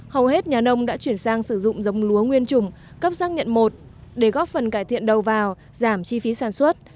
hầu hết nhà nông đã chuyển sang sử dụng giống lúa nguyên trùng cấp xác nhận một để góp phần cải thiện đầu vào giảm chi phí sản xuất